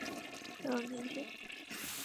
小林旭。